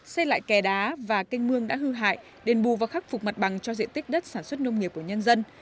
xây lại kè đá và canh mương đã hư hại đền bù và khắc phục mặt bằng cho diện tích đất sản xuất nông nghiệp của nhân dân